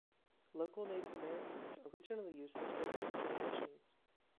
Local Native Americans originally used the springs for generations.